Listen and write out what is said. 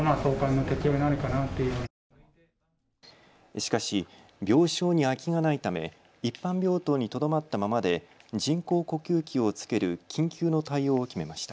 しかし病床に空きがないため一般病棟にとどまったままで人工呼吸器をつける緊急の対応を決めました。